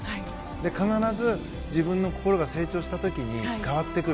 必ず自分の心が成長した時に変わってくる。